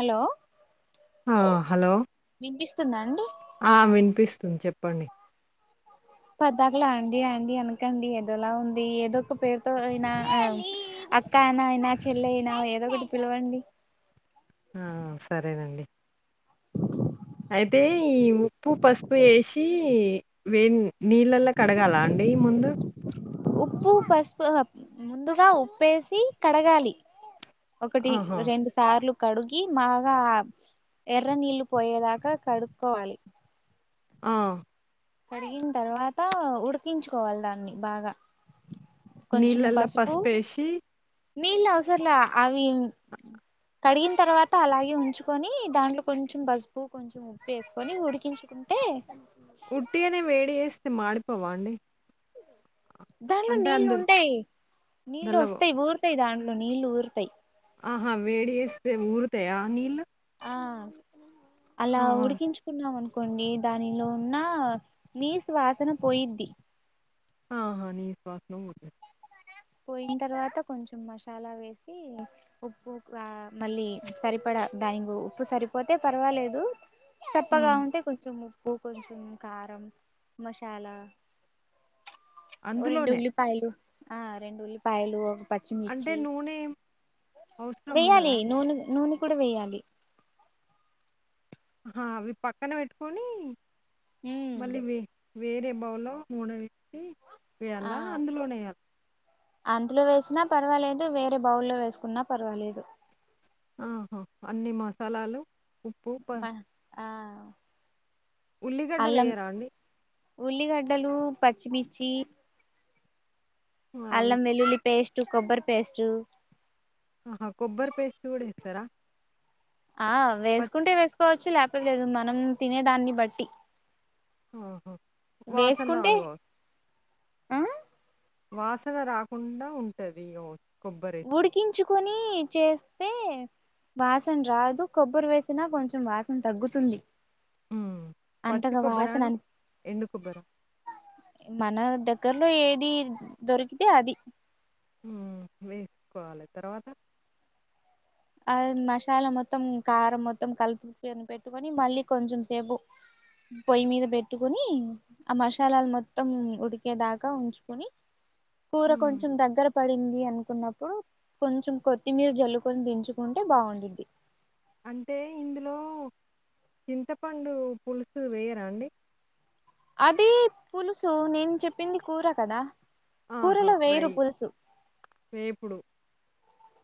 Hello ఆ hello వినిపిస్తుందా అండి ఆ వినిపిస్ చెప్పండి పద్దాకలా అండి అండి అనకండి ఏదోలా ఉంది ఏదో ఒక పేరుతో అయినా అక్కా అయినాయ చెల్లైనా ఏదో ఒకటి పిలవండి ఆ సరేనండి అయితే ఈ ఉప్పు పసుపు వేసి వే నీళ్ళలో కడగాల అండి ముం దు ఉప్పు పసుపు ముందుగా ఉప్పేసి కడగాలి ఒకటి ఆహా! రెండు సార్లు కడుగి మాగా ఎర్రనీళ్లు పోయేదాక కడుకోవాలి ఆ కడిగిన తర్వాత ఉడికించుకోవాలి దాన్ని బాగా కొంచెం నీళ్ళల్లో పసుపు పసుపేసి నీళ్లు అవసరలే అవి కడిగిన తర్వాత అలాగే ఉంచుకొని దాంట్లో కొంచెం పసుపు కొంచెం ఉప్పు వేసుకొని ఉడికించు కుంటే ఉట్టిగనే వేడి ఏస్తే మాడిపోవాండి దాంట్లో నీళ్ళు ఉంటయ్ నీళ్లు దల్ల వస్తాయ్ ఊరుతాయ్ దాంట్లో నీళ్ళు ఊర్తయ్ ఆహా వేడిఏస్తే ఊర్తయ నీల్లు ఆ అలా ఆహా! ఉడికించుకున్నామను కోండి దానిలో ఉన్నా నీస్ వాసన పోయిద్ది ఆహా నీస్ వాసన వోతు పోయిన తర్వాత కొంచెం మషాలా వేసీ ఉప్పు కా మళ్ళీ సరిపడ దానికు ఉప్పు సరిపోతే పర్వాలేదు సప్పగా హ్మ్. ఉంటే కొంచెం ఉప్పు కొంచెం కారం మషాలా రొండు అందులోనే ఉల్లిపాయలు ఆ రెండు ఉల్లిపాయలు అంటె నూనె అవసరం వేయ్యాలీ ఉండదా? నూన్ నూనె కూడా వెేయ్యాలి ఆ అవి పక్కన వెట్కొనీ మ్ వేరే బౌల్లో నూనవేట్టి వేయాల ఆ అందులోనే వేయ్యాల అందులో వేసినా పర్వాలేదు వేరే బౌల్లో వేస్కున్నా పర్వాలేదు ఆహా అన్ని మసాలాలు ఉప్పు, ప బ ఆ అల్లం ఉల్లిగడ్డలెయ్యరా అండి? ఉల్లిగడ్డలూ పచ్చిమిర్చి అవి అల్లం వెల్లుల్లి పేస్టు కొబ్బరి పేస్టూ ఆహా కొబ్బరి పేస్ట్ గుడ ఏత్తరా ఆ వేసుకుంటే వేసుకోవచ్చు లేక్పోతె లేదు మనం తినేదాన్ని బట్టి ఆహ వాసన్ వేసుకుంటే రాదు గావచ్ ఆ వాసన రాకుండా ఉంటది ఓ ఉడికించుకొనీ చేస్ స్తే వాసన రాదు కొబ్బరి వేసినా కొంచెం వాసన తగ్గుతుంది హ్మ్. పచ్చి అంతగా కొబ్బరా వాసన అండి? అన్ ఎండు కొబ్బరా? మన దగ్గర ఏదీ దొరికితే అది వేసుకోవాలె తర్వాత ఆ మషాలా మొత్తం కారం మొత్తం కలుపుని పెట్టుకొని మళ్ళీ కొంచెం సేపు పొయ్యి మీద పెట్టుకొనీ ఆ మషాలాలు మొత్తం ఉడికేదాకా ఉంచుకొని కూర హ్మ్. కొంచెం దగ్గర పడింది అనుకున్నప్పుడు కొంచెం కొత్తిమీర జల్లుకొని దించు కుంటే బాగుండిద్ది అంటే ఇందులో చింతపండు పులుసు వేయరా అండి అదీ పులుసు నేన్ చెప్పింది కూర కదా ఆహా కూరలో ఫ్రై వేయరు పులుసు వేపుడు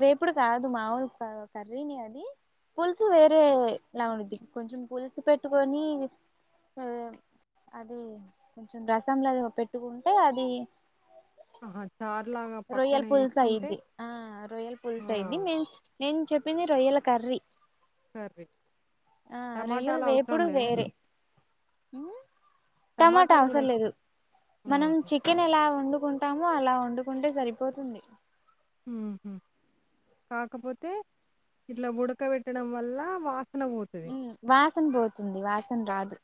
వేపుడు కాదు మాములు క కర్రీనే అది పుల్సు వేరే లా ఉండద్ది కొంచెం పుల్సు పెట్టుకొని ఏ అది కొంచెం రసంలాది పెట్టుకుంటే అదీ అహ రొయ్యల్ పుల్స్ అయిద్ది ఆ రొయల్ ఆ! పుల్స్ అయిది మేం నేన్ చెప్పింది రొయ్యల కర్రీ సరే ఆ రొయ్యల టమాటాలు అవసరం వేపుడు లేదా వేరే టమాటా టమాటాలు గూడా అవసరం ఏస్ లేదు మనం ఆహా! చికెన్ ఎలా వండు కుంటాము అలా వండుకుంటే సరిపోతుంది హుహు కాకపోతే ఇట్లా ఉడక పెట్టడం వల్ల వా వాసన పోతుంది వాసన రాదు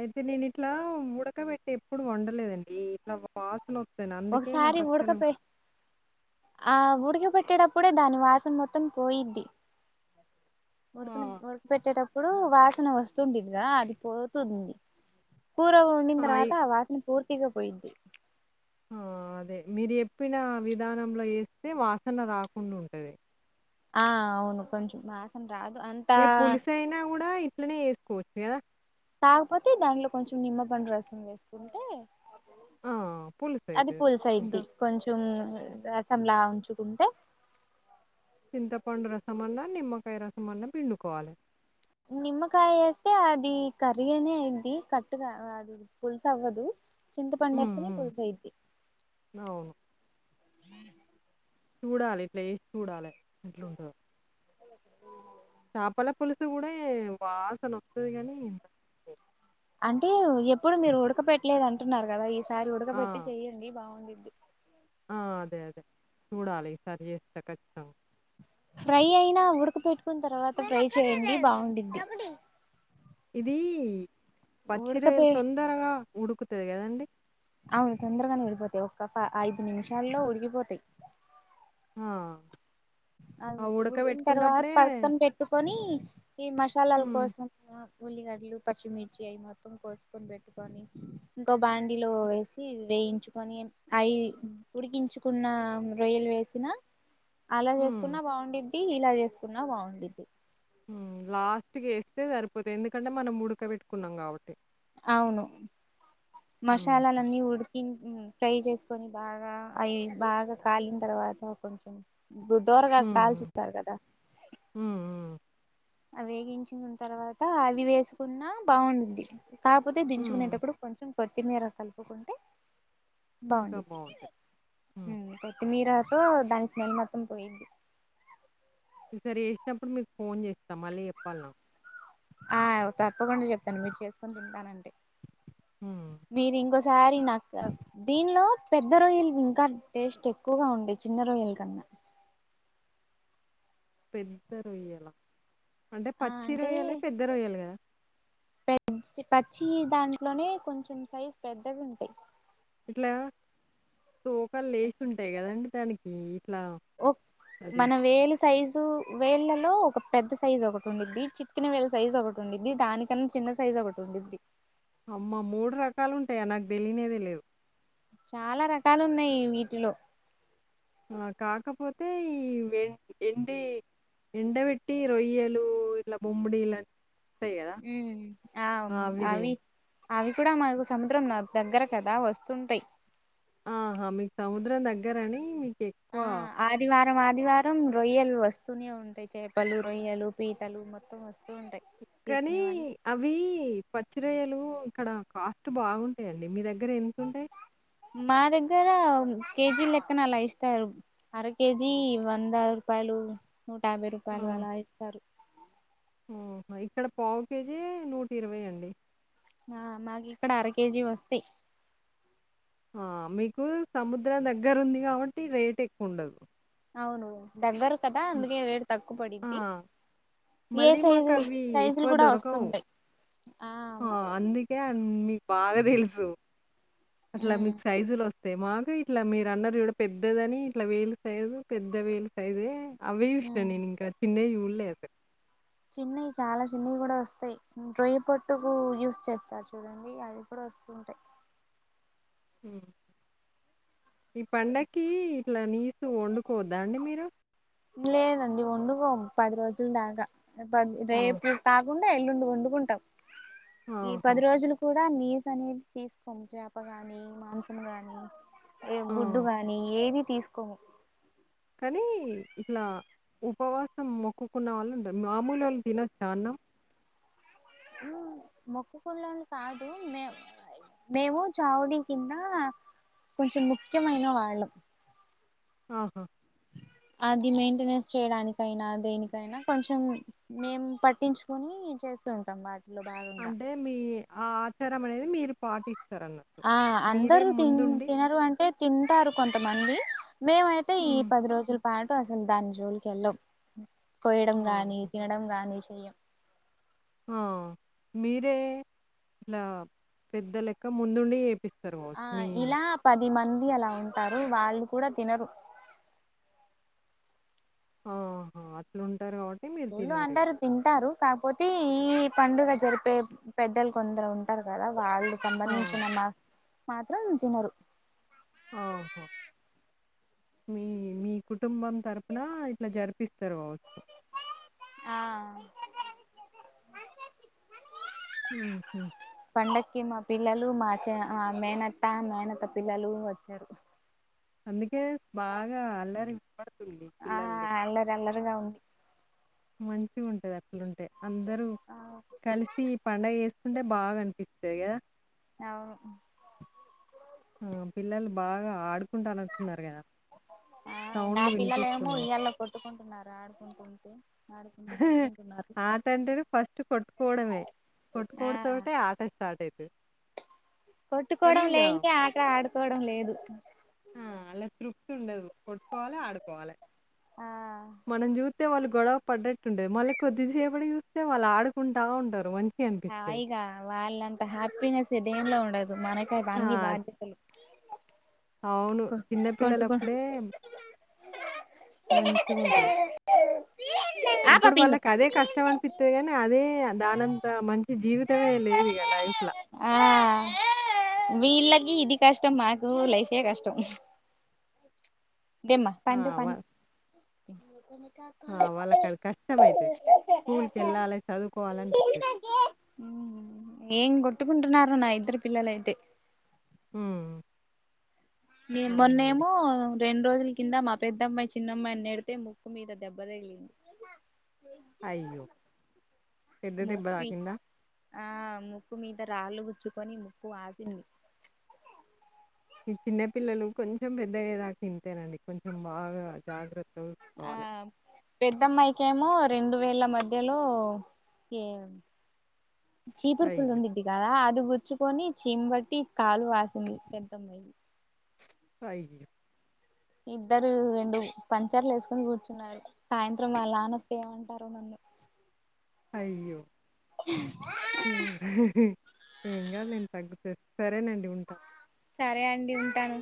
అయితే నేను ఇట్లా ఉడకబెట్టి ఎప్పుడు వండలేదండి ఇట్లా వా ఒకసారి ఉడకపో ఆ ఉడక పెట్టీ పెట్టేడప్పుడే దాని వాసన మొత్తం పోయిద్ది ఆ! ఉడకున ఉడక పెట్టేటప్పుడు వాసన వస్తుండేదిగా అది పోతుంది కూర వండిన ఆయి తర్వాత ఆ వాసన పూర్తిగా పోయిద్ది అదే మీరు ఎప్పిన విధానంలో వేస్తే వాసన రాకుండా ఉంటది ఆ అవును కొంచెం వాసన రాదు అంత ఏ పులిసయినా కూడా ఇట్లనే చేసుకోవచ్చు కదా కాకపోతే దాంట్లో కొంచెం నిమ్మపండు రసం వేసుకుంటే ఆ! అది పులుసయితది. ఇంత పులుసఇద్ది కొంచం రసంలా ఉంచుకుంటే చింతపండు రసం అన్న నిమ్మకాయ రసం అన్న పిండుకోవాలి నిమ్మకాయ వేస్తే అది కరిగనే అయిద్ది కట్గా అది పుల్సవ్వదు చింతపండు హ్మ్. వేస్తేనే హ్మ్. పులుసయ్యుద్ది అవును. చూడాలి ఇట్లా వేసి చూడాలి ఎట్లుంటాదో చేపల పులుసు కూడా వాసన వస్తది కాని న అంటే ఎప్పుడు మీరు ఉడక పెెట్టలేదు అంటున్నారు కదా ఈసారి ఉడక ఆ! పెెట్టి చెయ్యండి బాగుండిద్ది ఆ అదే అదే చూడాలి ఈ సారి చేస్తే ఖచ్చితం ఫ్రై అయినా ఉడక పెెట్టుకున్న తర్వాత ఫ్రై చేయండి బాగుండిద్ది ఇది పచ్చిరయలు ఉడకపే తొందరగా ఉడుకుతది కదండి అవును తొందరగానే ఉడికిపోతాయి ఒక్క ఐదు నిమిషాల్లో ఉడికిపోతాయి ఆ అ ఆ ఉడికిన తర్వాత ఉడకబెట్టుకున్నప్పుడే పక్కన పెట్టుకొని ఈ మసాలాల హ్మ్. కోసం ఉల్లిగడ్లు పచ్చిమిర్చి అయి మొత్తం కోసుకొని పెట్టుకొని ఇంకో బాంండీలో వేసి వేయించుకొని అయి ఉడికించుకున్న రొయ్యలు వేసిన అలా హ్మ్. చేసుకున్నా బాగుండిద్ది ఇలా చేసుకున్నా బాగుండిద్ది లాస్ట్కి వేస్తే సరిపోతుంది ఎందుకంటే మనం ఉడక పెట్టుకున్నాం కాబట్టి అవును హ్మ్. మసాలాలు అన్నీ ఉడికి ఫ్రై చేసుకొని బాగా అవి బాగా కాలిన తర్వాత కొంచెం దోరగా హ్మ్. కాల్చుస్తారు కదా హ్మ్. హ్మ్. అ వేగించుకున్న తర్వాత అవి వేసుకున్నా బాగుంటది కాకపోతే హ్మ్. దించుకునేటప్పుడు కొంచెం కొత్తిమీర కలుపుకుంటే ఇంకా బాగుండేది బావుంటాయి. హ్మ్. కొత్తిమీర ో దాని స్మెల్ మొత్తం పోయిద్ది ఈసారి వేసినప్పుడు మీకు ఫోన్ చేస్తా మళ్ళీ చెప్పాల నాకు ఆ తప్పకుండా చెప్తాను మీరు చేసుకుని తింటానంటే హ్మ్. మీరు ఇంకోసారి నాకు దీనిలో పెద్ద రొయ్యలు ఇంకా టేస్ట్ ఎక్కువగా ఉండే చిన్న రొయ్యల కన్నా పెద్ద రొయ్యలా అంటే ఆ పచ్చి రొయ్యలే పెద్ద రొయ్యలు కదా పె పచ్చి దాంట్లోనే కొంచెం సైజు పెద్దవి ఉంటాయి ఇట్లా తోకలు లేసి ఉంటాయి కదండి దానికి ఇట్లా ఓ అది మన వేలు సైజు వేళ్ళలో ఒక పెద్ద సైజ్ ఒకటి ఉండిది. చిట్కిన వేళ్ళ సైజ్ ఒకటి ఉండిది దానికన్నా చిన్న సైజు ఒకటి ఉండిద్ది అమ్మ మూడు రకాలుంటాయా నాకు దెలియనే తెలేదు. చాలా రకాలు ఉన్నాయి వీటిలో ఆ కాకపోతే ఈం ఎండి ఎండ పెట్టి రొయ్యలు ఇలా బొమ్మడిలాని ఉ ఆ అవి అవి కూడా మనకు సముద్రం దగ్గర కదా వస్తుంటాయ్. ఆహా మీకు సముద్రం దగ్గరని మీకు ఎక్కువ మ ఆదివారం రొయ్యలు వస్తూనే ఉంటాయి. చేపలు, రొయ్యలు, పీతలు మొత్తం వస్ కానీ అవి పచ్చిరొయ్యలు అక్కడ కాస్ట్ బాగుంటాయండి మీ దగ్గర ఎంతుంటాయ్ మా దగ్గర కేజీ లెక్కన అలా ఇస్తారు అర కేజీ వందరుపాయ లు నూట యాభై రూపాయలు అలా ఇస్తారు ఓ ఇక్కడ పావు కేజీ నూట ఇరవై అండి ఆ మాకు ఇక్కడ అర కేజీ వస్తయ్ మీకు సముద్రం దగ్గర ఉంది కాబట్టి రేట్ ఎక్కువ ఉండదు అవును దగ్గర కదా అందుకే రేటు తక్కువ పడిద్ది. ఆ! ఏ మళ్ళీ సైజు మాకవి సైజులు ఎక్కువ కూడా దొరకవు. వస్తుంటాయ్ ఆ అందుకే అన్నీ మీకు బాగా తెలుసు అట్లా ఉమ్ మీకు సైజులు వస్త అంతే మాకు ఇట్లా మీరు అన్నారు జూడు పెద్దదని ఇట్లా వేలు సైజ పెద్ద వేలు సైజే అవే సూసినా ఉమ్ నేను ఇంక తిన్నే చూడలే అసలు చిన్నవి చాలా చిన్నవి కూడా వస్తాయి రొయ్య పట్టుకు యూజ్ చేస్తారు చూడండి అది కూడా వస్తుంటాయి ఉ ఈ పండక్కీ ఇట్లా నీసు వండుకోద్దా అండి మీరు లేదండి ఒండుగోం పది రోజుల దాకా ఆ! రేపు కాకుండా ఎల్లుండి వండుకుంటాం ఈ ఆహా! పది రోజులు కూడా ఇలా నీసు అనేది తీసుకోం చేపగాని మాంసం గాని ఏ బుడ్డు ఆ! గాని ఏది తీసుకోము కానీ ఇట్లా ఉపవాసం మొక్కుకున్న వాళ్ళు మామూలుల్లు తినచ్చా అన్నం మొక్కుకున్నల్లు కాదు మే మేము చావుడి కింద కొంచెం ముఖ్యమైన వాళ్ళం ఆహా అది మెయింటెనెన్స్ చేయడానికైనా దేనికైనా కొంచెం మేం పట్టించుకొని చే చేస్తుంటాం అంటే మీ ఆ ఆచారం అనేది మీరు పాటి ఆ అందరూ తిన్ తినరు అంటే తింటారు కొంతమంది మేమైతే ఈ హ్మ్. పది రోజుల పాటు అసలు దాని జోలికి వెళ్ళం. కోయడం గాని ఆహా! తినడం గాని చెయ్యం ఆ మీరే ఇలా పెద్ద లెక్క ముందుండి చేపిస్తారు ఆ కావచ్చు. మీ ఇలా పది మం అలా ఉంటారు వాళ్ళు కుడా తినరు ఆహా అట్లుంటారు కాబ ఊర్లో అంటారు తింటారు కాక్పోతీ ఈ పండుగ జరిపే పెద్దలు కొందరు ఉంటారు కదా వాళ్ళు ఆ! సంబంధించిన మా మాత్రం తినరు ఓహో మీ మీ కుటుంబం తరపున ఇట్లా జరిపిస్తారు కా ఆ మ్మ్ హు కి మా పిల్లలు మా చె హా మేనత్త, మేనత్త పిల్లలు వచ్చారు. అందుకే బాగా అల్లరి విన్పడుతుంది ఆ పిల్లల్ది. [unintelligible] ఉంది మంచిగుంటది అట్లుంటే అందరు ఆ కలిసి పండగ చేసుకుంటే బాగా అనిపిత్తది కదా అవును ఓ పిల్లలు బాగా ఆడు కుంటనట్టు ఉన్నరు కదా ఆ నా సౌండ్లు పిల్లలేమో వినిపిస్తున్నయి. ఉయ్యాల్లో కొట్టుకుంటున్నారు ఆడుకుంటుంటే ఆడుకుంటూ కొట్టుకుంటున్నారు ఆట అంటరు ఫస్ట్ కొట్టుకోవడమే ఆ కొట్టుకోడ్తోటె ఆట స్టార్ట్ అయితది. కానీ కొట్టుకోవడం ఇగ లేన్దే ఆట ఆడుకోవడం లేదు. ఆ అలా తృప్తి ఉండదు కొట్టుకోవాలె ఆడుకోవాలె ఆ మనం చూత్తే వాళ్ళు గొడవ పడ్డట్టు ఉంటది మళ్ళీ కొద్దిసేపటి చూత్తే వాళ్ళు ఆడుకుంటా ఉంటరు మం హాయిగా వాళ్ళంత హ్యాపీనెస్ దేన్లో ఉండదు మనకు ఆ! అన్ని బాధ్యతలు అవును కొ కొట్టుకో చిన్నపిల్లలప్పుడే మంచిగుంటది ఆ అప్పుడు పాపి ఇందు వాళ్ళకి అదే కష్టం అనిపిత్తది కని అదే దానంత మంచి జీవితమే లేదు ఇగ ల లైఫ్ ల ఆ వీళ్ళకి ఇది కష్టం మాకు లైఫే కష్టం. దమా ప ఆ! దో వ పానీ ఆ వాళ్ళకి అది కష్టమైతది స్కూల్ కెళ్ళాలె చదువుకోవాలనిపిత్తది. హ్మ్ హు ఏం కొట్టుకుంటున్నారు నా ఇద్దరు పిల్లలైతే హ్మ్ హు మిమ్ మొన్నేమో రెండు రోజుల్ కింద మా పెద్దమ్మాయి చిన్నమ్మాయిని నేడితే ముక్కు మీద దెబ్బ తగిలింది. అయ్యో పెద్ద దెబ్బ ముక్కి తాకిందా ఆ ముక్కు మీద రాళ్ళు కుచ్చుకొని ముక్కు వాసింది. ఈ చిన్న పిల్లలు కొంచెం పెద్ద గయ్యే దాకా ఇంతేనండి కొంచెం బాగా జాగ్ర ఆ పెద్దమ్మాయికేమో రెండు వేళ్ల మధ్యలో ఏ చీపుర్ పుల్ల అయ్యో! ఉండిది కదా అది గుచ్చుకొని చీమ్ బట్టి కాలు వాసింది పెద్దమ్మాయికి అయ్యో ఇద్దరు రెండు పంచర్లు ఎసుకొని కూర్చున్నారు సాయంత్రం వాళ్ళ నాన్న వస్తే ఏమంటారో నన్ను అయ్యో ఏం కాద్లెండి తగ్గుతది సరేనండి ఉంట సరే అండి ఉంటాను